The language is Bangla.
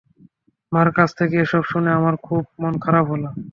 মার কাছ থেকে এসব শুনে আমার খুব মন খারাপ হলো।